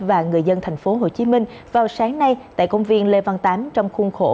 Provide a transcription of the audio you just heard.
và người dân thành phố hồ chí minh vào sáng nay tại công viên lê văn tám trong khuôn khổ